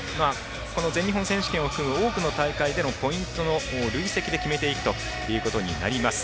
この全日本選手権を含む多くの大会でのポイントの累積で決めていくということになります。